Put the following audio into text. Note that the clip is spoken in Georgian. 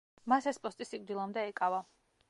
მას ეს პოსტი სიკვდილამდე ეკავა.